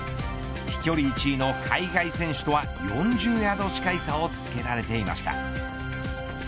飛距離１位の海外選手とは４０ヤード近い差をつけられていました。